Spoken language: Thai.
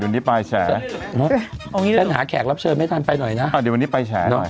วันนี้ไปแชร์หาแขกรับเชิญให้ทานไปหน่อยน่ะอ่าเดี๋ยววันนี้ไปแชร์หน่อย